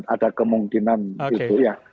ada kemungkinan itu ya